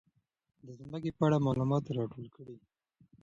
د ځمکې په اړه معلومات راټول کړئ.